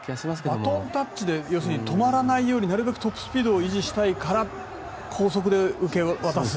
バトンタッチで止まらないようになるべくトップスピードを維持したいから高速で受け渡す。